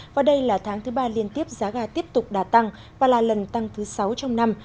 và đây là tháng thứ ba liên tiếp giá gà tiếp tục đà tăng và là lần tăng thứ sáu trong năm